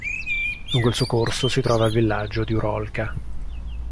Lungo il suo corso si trova il villaggio di Urolka.